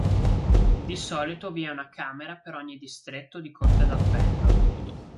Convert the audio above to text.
Di solito vi è una camera per ogni distretto di Corte d'appello.